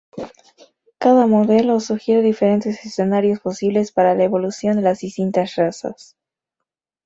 Cada modelo sugiere diferentes escenarios posibles para la evolución de las distintas razas.